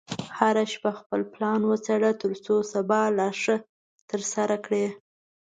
هره شپه خپل پلان وڅېړه، ترڅو سبا لا ښه ترسره کړې.